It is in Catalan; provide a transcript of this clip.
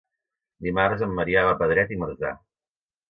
Dimarts en Maria va a Pedret i Marzà.